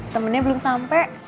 temennya belum sampe